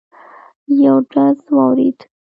یو ډز واورېد.